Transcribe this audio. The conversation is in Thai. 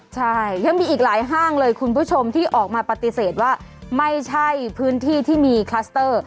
ใช่ยังมีอีกหลายห้างเลยคุณผู้ชมที่ออกมาปฏิเสธว่าไม่ใช่พื้นที่ที่มีคลัสเตอร์